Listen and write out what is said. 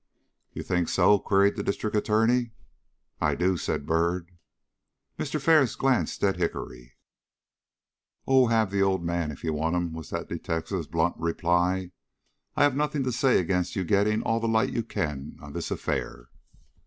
"You think so?" queried the District Attorney. "I do," said Byrd. Mr. Ferris glanced at Hickory. "Oh, have the old man here if you want him," was that detective's blunt reply. "I have nothing to say against your getting all the light you can on this affair."